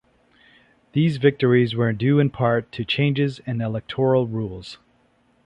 These victories were due in part to changes in electoral rules.